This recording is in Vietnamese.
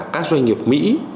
các doanh nghiệp mỹ